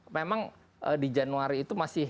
memang di januari itu